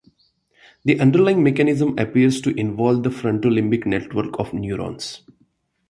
The underlying mechanism appears to involve the frontolimbic network of neurons.